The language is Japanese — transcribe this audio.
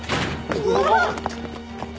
うわあっ！